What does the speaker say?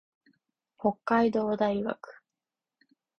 北海道大学